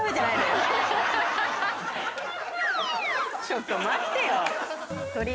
ちょっと待ってよ。